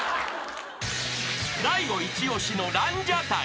［大悟一押しのランジャタイ］